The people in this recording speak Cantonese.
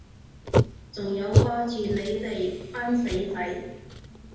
仲有掛住你哋班死仔